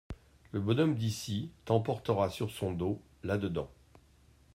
Le bonhomme d'ici t'emportera sur son dos là-dedans.